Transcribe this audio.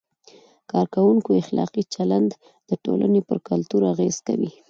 د کارکوونکو اخلاقي چلند د ټولنې پر کلتور اغیز کوي.